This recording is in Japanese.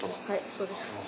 はいそうです。